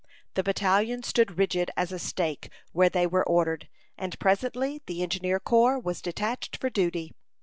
The battalion stood rigid as a stake where they were ordered, and presently the engineer corps was detached for duty.